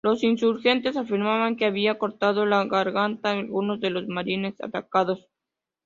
Los insurgentes afirmaban que habían cortado la garganta a algunos de los marines atacados.